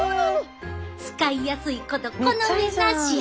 使いやすいことこの上なしや。